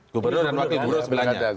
gubernur dan wakil gubernur